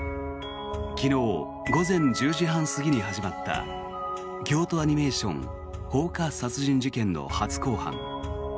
昨日午前１０時半過ぎに始まった京都アニメーション放火殺人事件の初公判。